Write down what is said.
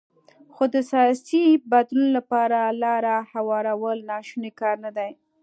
خو د سیاسي بدلون لپاره لاره هوارول ناشونی کار نه دی.